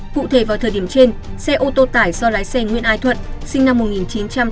cụ thể vào thời điểm trên xe ô tô tải do lái xe nguyễn ai thuận sinh năm một nghìn chín trăm tám mươi